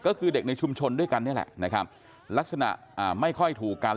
ก็คือเด็กในชุมชนด้วยกันนี่แหละนะครับลักษณะไม่ค่อยถูกกัน